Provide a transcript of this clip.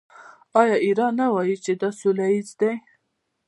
آیا ایران نه وايي چې دا سوله ییز دی؟